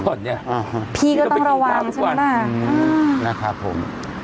ก่อนเนี่ยพี่ก็ต้องระวังใช่ไหมอือนะครับผม